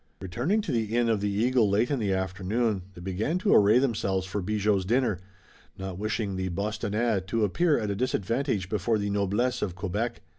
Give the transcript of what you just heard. Returning to the Inn of the Eagle late in the afternoon, they began to array themselves for Bigot's dinner, not wishing the Bostonnais to appear at a disadvantage before the noblesse of Quebec.